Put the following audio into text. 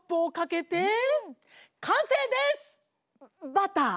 バター。